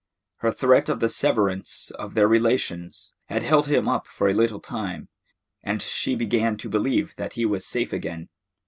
Her threat of the severance of their relations had held him up for a little time, and she began to believe that he was safe again.